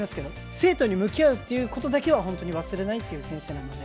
生徒に向き合うということだけは本当に忘れないっていう先生なので。